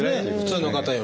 普通の方より。